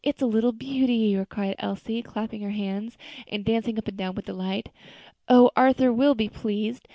it's a little beauty," cried Elsie, clapping her hands and dancing up and down with delight; "how Arthur will be pleased!